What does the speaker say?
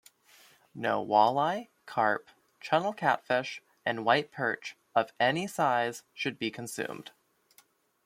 No walleye, carp, channel catfish, and white perch of any size should be consumed.